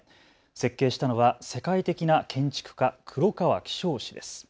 設計したのは世界的な建築家、黒川紀章氏です。